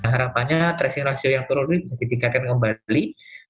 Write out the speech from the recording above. harapannya tracing ratio yang turun ini bisa ditingkatkan kembali